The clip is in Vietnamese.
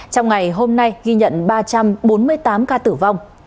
trong ngày hôm nay ghi nhận ba trăm bốn mươi tám ca tử vong